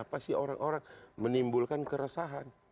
pasti orang orang menimbulkan keresahan